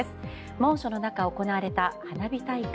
猛暑の中、行われた花火大会